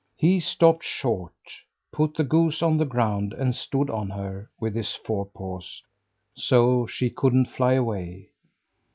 He stopped short, put the goose on the ground, and stood on her with his forepaws, so she couldn't fly away.